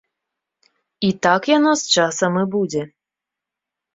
І так яно з часам і будзе.